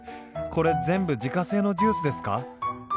これ全部自家製のジュースですか？